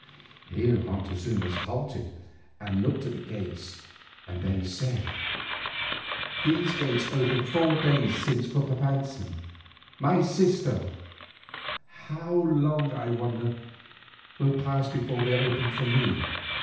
Here Montezuma halted and looked at the gates, then said: "These gates opened four days since for Papantzin, my sister; how long, I wonder, will pass before they open for me?"